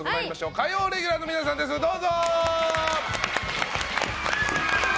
火曜レギュラーの皆さんですどうぞ！